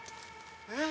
えっ？